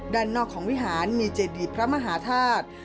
ด้านนอกของวิหารมีเจดีพระมหาธาตุ